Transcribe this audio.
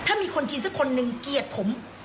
ถ้ามีคนจีนสักคนหนึ่งเกลียดผม